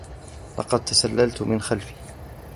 لقد تسللت من خلفي.